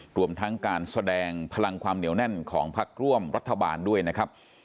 รวมทั้งการแสดงพลังความเหนียวแน่นของพักร่วมรัฐบาลด้วยนะครับ